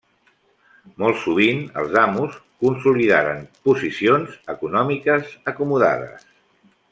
Molt sovint els amos consolidaren posicions econòmiques acomodades.